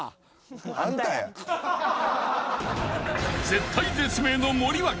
［絶体絶命の森脇］